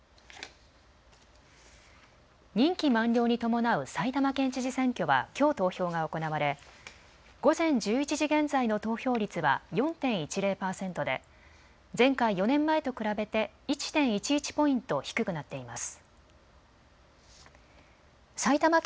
任期満了に伴う埼玉県知事選挙はきょう投票が行われ午前１１時現在の投票率は４．１０％で前回４年前と比べて１．１１ポイント低くなっています。